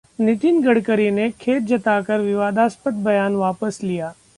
नितिन गडकरी ने खेद जताकर विवादास्पद बयान वापस लिया